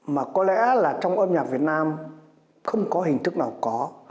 mà có lẽ là trong âm nhạc việt nam không có hình thức nào có